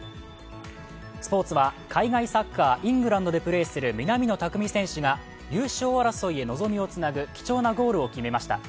スポーツは海外サッカー、イングランドで活躍する南野拓実選手が優勝争いへ望みをつなぐ貴重なゴールを決めました。